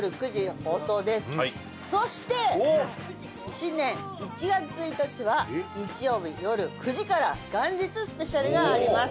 新年１月１日は日曜日よる９時から元日スペシャルがあります。